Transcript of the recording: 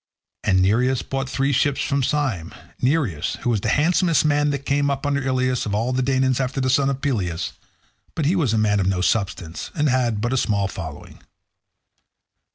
And Nireus brought three ships from Syme—Nireus, who was the handsomest man that came up under Ilius of all the Danaans after the son of Peleus—but he was a man of no substance, and had but a small following.